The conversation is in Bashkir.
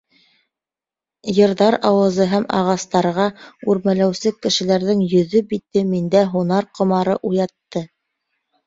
«Йыр»ҙар ауазы һәм ағастарға үрмәләүсе кешеләрҙең йөҙө-бите миндә һунар ҡомары уятты.